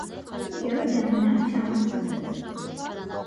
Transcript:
Գէորգեան բնաւ չէ ամուսնացած։